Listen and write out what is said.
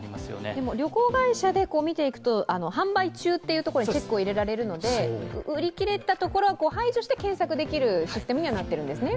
でも旅行会社で見ていくと販売中というところにチェックを入れられるので売り切れたところは排除して検索できるシステムなんですね。